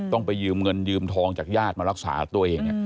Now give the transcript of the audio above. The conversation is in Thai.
ต้องไปยืมเงินยืมทองจากญาติมารักษาตัวเอง